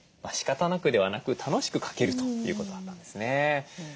しかたなくではなく楽しく掛けるということだったんですね。